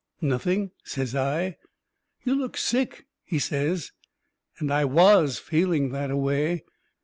"Nothing," says I. "You look sick," he says. And I WAS feeling that a way.